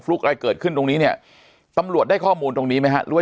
ลุกอะไรเกิดขึ้นตรงนี้เนี่ยตำรวจได้ข้อมูลตรงนี้ไหมฮะหรือว่า